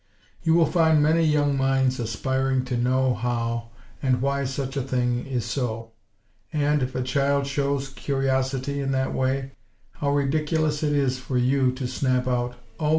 You will find many young minds aspiring to know how, and WHY such a thing is so. And, if a child shows curiosity in that way, how ridiculous it is for you to snap out: "Oh!